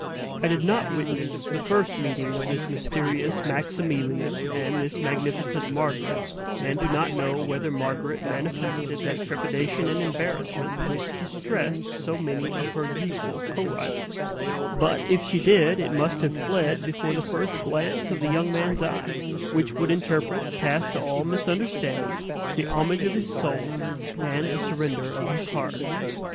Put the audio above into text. I did not witness the first meeting of this mysterious Maximilian and this magnificent Margaret, and do not know whether Margaret manifested that trepidation and embarrassment which distressed so many of her youthful co rivals; but, if she did, it must have fled before the first glance of the young man's eye, which would interpret, past all misunderstanding, the homage of his soul and the surrender of his heart.